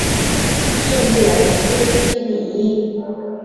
圣布莱斯迪比伊。